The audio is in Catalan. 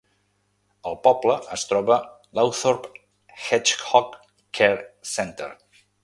Al poble es troba l'Authorpe Hedgehog Care Centre.